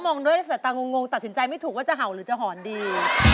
มองด้วยสายตางงตัดสินใจไม่ถูกว่าจะเห่าหรือจะหอนดี